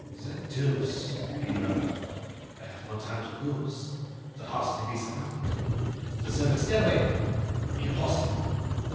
"The deuce!" he murmured; "I have no time to lose. The house may be surrounded. The servants' stairway—impossible!